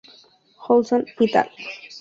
Ohlson "et al".